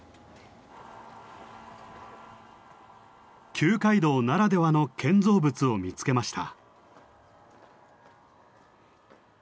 旧街道ならではの建造物を見つけました。